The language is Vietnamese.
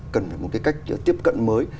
cần một cái cách tiếp cận mới